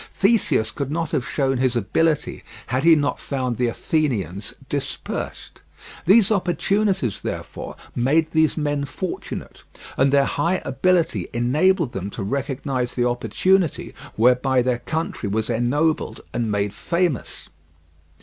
Theseus could not have shown his ability had he not found the Athenians dispersed. These opportunities, therefore, made those men fortunate, and their high ability enabled them to recognize the opportunity whereby their country was ennobled and made famous.